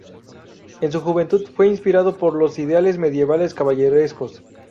En su juventud, fue inspirado por los ideales medievales caballerescos.